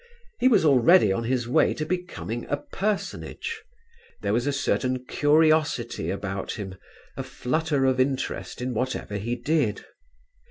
He was already on the way to becoming a personage; there was a certain curiosity about him, a flutter of interest in whatever he did.